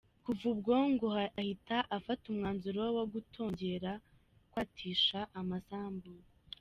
Kuva ubwo ngo ahita afata umwanzuro wo kutongera kwatisha amasambu.